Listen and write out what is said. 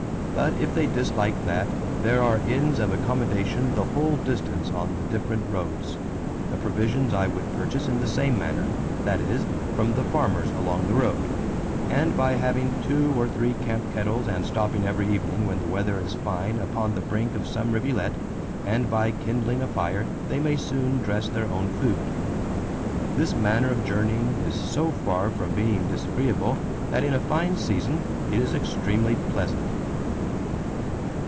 But if they dislike that, there are inns of accommodation the whole distance on the different roads.... The provisions I would purchase in the same manner [that is, from the farmers along the road]; and by having two or three camp kettles and stopping every evening when the weather is fine upon the brink of some rivulet and by kindling a fire they may soon dress their own food.... This manner of journeying is so far from being disagreeable that in a fine season it is extremely pleasant."